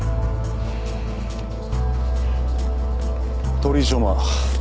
鳥居翔真。